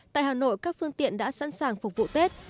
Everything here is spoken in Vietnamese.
tại hà nội các phương tiện đã sẵn sàng phục vụ tết